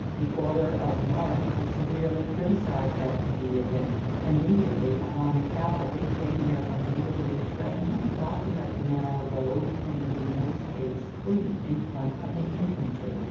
The order of march was severely criticized after the event. Im mediately behind the cavalry came their unwieldy train, blocking up the narrow road and leaving no space free in front of the infantry.